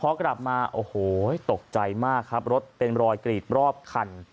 พอกลับมาโอ้โหตกใจมากครับรถเป็นรอยกรีดรอบคัน